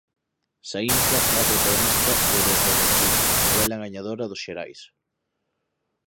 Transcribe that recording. Saínza é a protagonista de Desde o conflito, novela gañadora dos Xerais.